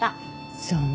そうね。